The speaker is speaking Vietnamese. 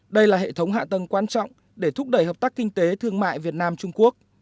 đây là hệ thống hạ tầng quan trọng để thúc đẩy hợp tác kinh tế thương mại việt nam trung quốc